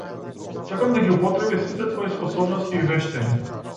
Сакам да ги употребиш сите твои способности и вештини.